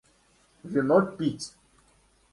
Вино пить!